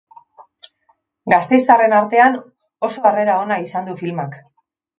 Gasteiztarren artean oso harrera ona izan du filmak.